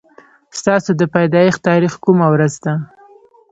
ستاسو د پيدايښت تاريخ کومه ورځ ده